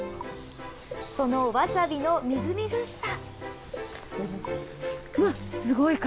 そのわさびのみずみずしさ。